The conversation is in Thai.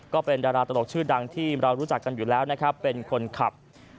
ก็เป็นดาราตลกชื่อดังที่เรารู้จักกันอยู่แล้วนะครับเป็นคนขับ